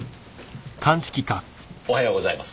おはようございます。